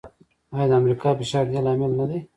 آیا د امریکا فشار د دې لامل نه دی؟